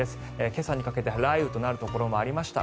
今朝にかけて雷雨となるところもありました。